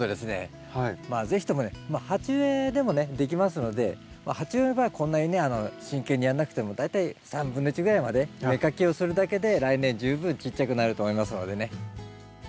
是非ともね鉢植えでもねできますので鉢植えの場合はこんなにね真剣にやんなくても大体1/3ぐらいまで芽かきをするだけで来年十分ちっちゃくなると思いますのでね。